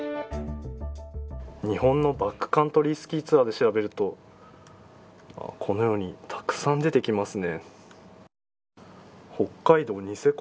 日本のバックカントリースキーツアーで調べるとこのようにたくさん出てきますね。